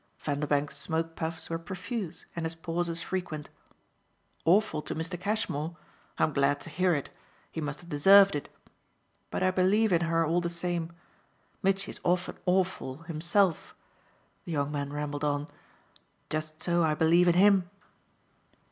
Vanderbank's smoke puffs were profuse and his pauses frequent. "Awful to Mr. Cashmore? I'm glad to hear it he must have deserved it. But I believe in her all the same. Mitchy's often awful himself," the young man rambled on. "Just so I believe in HIM."